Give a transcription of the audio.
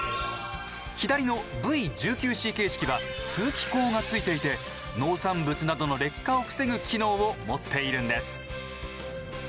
左のＶ１９Ｃ形式は通気口がついていて農産物などの劣化を防ぐ機能を持っているんです。